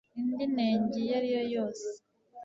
indi nenge iyo ariyo yose